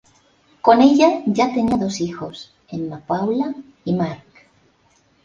Con ella ya tenía dos hijos, Emma Paula y Mark.